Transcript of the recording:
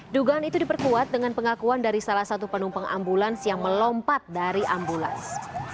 dugaan itu diperkuat dengan pengakuan dari salah satu penumpang ambulans yang melompat dari ambulans